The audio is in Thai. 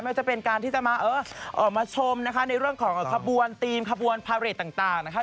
ว่าจะเป็นการที่จะมาชมนะคะในเรื่องของขบวนธีมขบวนพาเรทต่างนะคะ